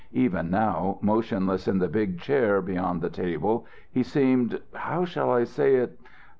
Even now, motionless in the big chair beyond the table, he seemed how shall I say it?